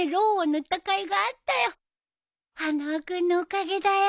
花輪君のおかげだよ。